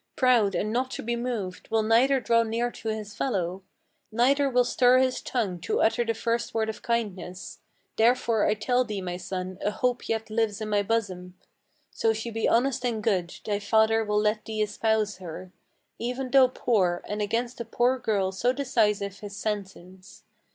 Proud and not to be moved, will neither draw near to his fellow; Neither will stir his tongue to utter the first word of kindness. Therefore I tell thee, my son, a hope yet lives in my bosom, So she be honest and good, thy father will let thee espouse her, Even though poor, and against a poor girl so decisive his sentence.